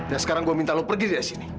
dan sekarang gue minta lo pergi dari sini